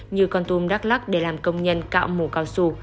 như con tôm đắk lắc để làm công nhân cạo mổ cao xù